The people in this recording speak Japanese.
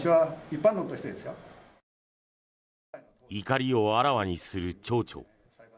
怒りをあらわにする町長。